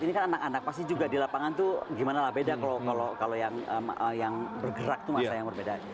ini kan anak anak pasti juga di lapangan tuh gimana lah beda kalau yang bergerak itu masa yang berbeda